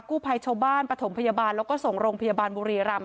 กู้ภัยชาวบ้านปฐมพยาบาลแล้วก็ส่งโรงพยาบาลบุรีรำ